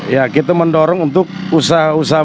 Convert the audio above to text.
ya kita mendorong untuk usaha usaha